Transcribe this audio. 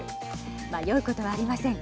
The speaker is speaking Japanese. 迷うことはありません。